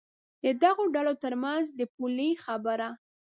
د دغو ډلو تر منځ د پولې خبره.